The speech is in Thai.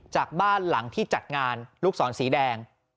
จากบ้านหลังที่จัดงานลูกศรสีแดง